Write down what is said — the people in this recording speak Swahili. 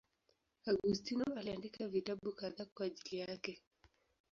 Augustino aliandika vitabu kadhaa kwa ajili yake.